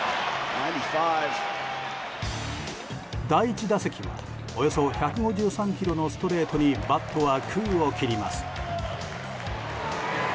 第１打席はおよそ１５３キロのストレートにバットは空を切ります。